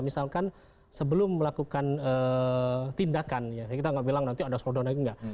misalkan sebelum melakukan tindakan kita tidak bilang nanti ada shutdown lagi tidak